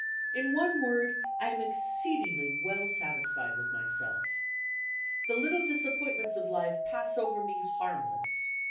In one word, I am exceedingly well satisfied with myself. The little disappointments of life pass over me harmless.